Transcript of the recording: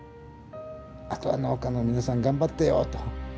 あとは農家の皆さん頑張ってよと。